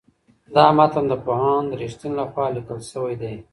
دا متن د پوهاند رښتین لخوا لیکل سوی دی.